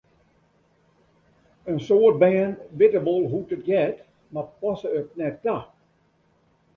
In soad bern witte wol hoe't it heart, mar passe it net ta.